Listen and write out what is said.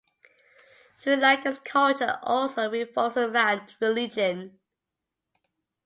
Sri Lanka's culture also revolves around religion.